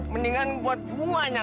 mendingan buat buahnya